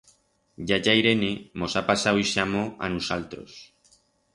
Yaya Irene mos ha pasau ixe amor a nusaltros.